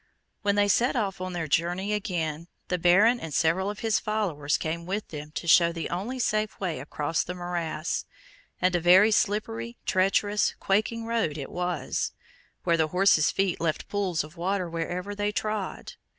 When they set off on their journey again, the Baron and several of his followers came with them to show the only safe way across the morass, and a very slippery, treacherous, quaking road it was, where the horses' feet left pools of water wherever they trod.